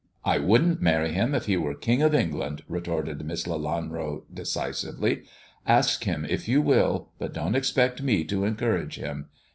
" I wouldn't marry him if he were King of England," retorted Miss Lelanro decisively. " Ask him if you will ; but don't expect me to encourage him.